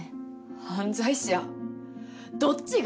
犯罪者？どっちが。